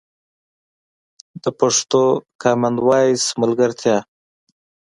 د پښتو کامن وایس ملګرتیا